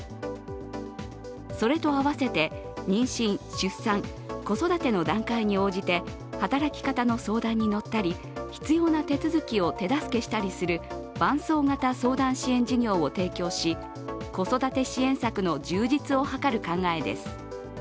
それと合わせて妊娠・出産・子育ての段階に応じて働き方の相談に乗ったり、必要な手続きを手助けしたりする伴奏型相談支援事業を提供し、子育て支援策の充実を図る考えです。